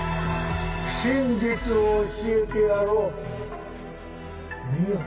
真実を教えてやろう見よ！